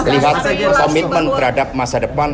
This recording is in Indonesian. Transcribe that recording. lihat komitmen terhadap masa depan